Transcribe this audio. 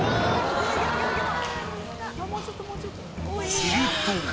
すると。